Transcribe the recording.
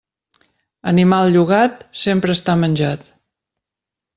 Animal llogat, sempre està menjat.